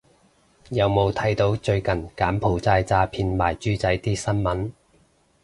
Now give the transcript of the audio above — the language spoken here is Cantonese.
有冇睇到最近柬埔寨詐騙賣豬仔啲新聞